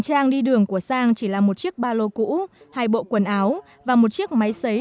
trang đi đường của sang chỉ là một chiếc ba lô cũ hai bộ quần áo và một chiếc máy xấy